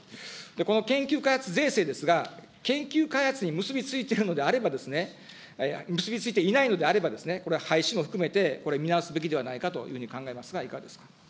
この研究開発税制ですが、研究開発に結び付いているのであれば、結び付いていないのであれば、これは廃止も含めて、これ見直すべきではないかというふうに考えますが、いかがですか。